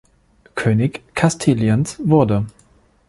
König Kastiliens wurde.